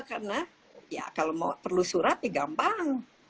karena ya kalau mau perlu surat ya gampang